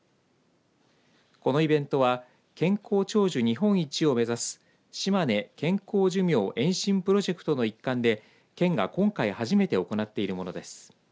このイベントは健康長寿日本一をめざすしまね健康寿命延伸プロジェクトの一環で県が今回初めて行っているものです。